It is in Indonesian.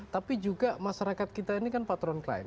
tapi juga masyarakat kita ini kan patron klien